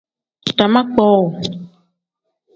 Daama kpowuu.